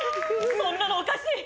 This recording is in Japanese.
そんなのおかしい。